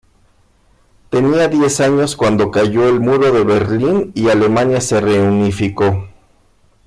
Tenía diez años cuando cayó el Muro de Berlín y Alemania se reunificó.